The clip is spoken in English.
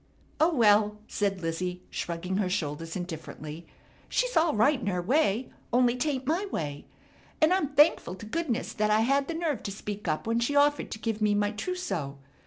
"Oh, well," said Lizzie shrugging her shoulders indifferently, "She's all right in her way, only 'taint my way. And I'm thankful t'goodness that I had the nerve to speak up when she offered to give me my trousseau.